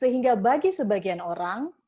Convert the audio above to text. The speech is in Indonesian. hingga bagi sebagian orang